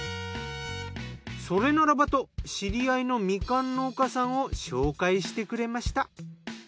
それならばと知り合いのみかん農家さんを紹介してくれました。